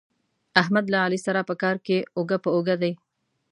احمد له علي سره په کار کې اوږه په اوږه دی.